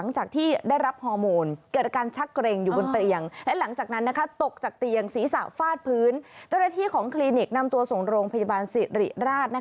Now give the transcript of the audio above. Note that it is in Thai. เจ้าหน้าที่ของคลินิกนำตัวส่งโรงพยาบาลศิริราช